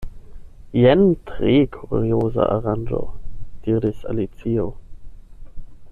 "Jen tre kurioza aranĝo," diris Alicio.